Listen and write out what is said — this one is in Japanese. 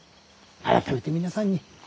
改めて皆さんに。